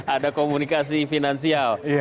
ada komunikasi finansial